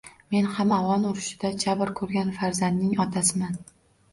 Men ham Afgʻon urushida jabr koʻrgan farzandning otasiman.